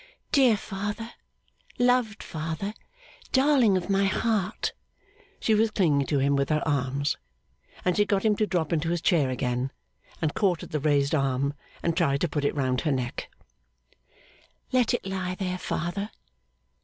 'Dear father, loved father, darling of my heart!' She was clinging to him with her arms, and she got him to drop into his chair again, and caught at the raised arm, and tried to put it round her neck. 'Let it lie there, father.